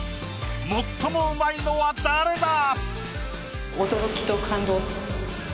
最も上手いのは誰だ？